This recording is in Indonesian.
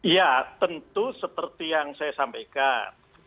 ya tentu seperti yang saya sampaikan